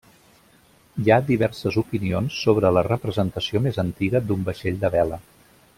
Hi ha diverses opinions sobre la representació més antiga d'un vaixell de vela.